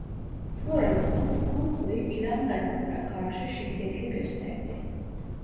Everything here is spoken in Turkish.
Floransa bu komployu planlayanlara karşı şiddetli gösterdi.